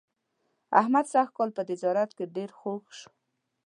احمد سږ کال په تجارت کې ډېر خوږ شو.